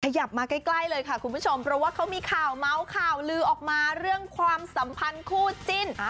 มาใกล้เลยค่ะคุณผู้ชมเพราะว่าเขามีข่าวเมาส์ข่าวลือออกมาเรื่องความสัมพันธ์คู่จิ้น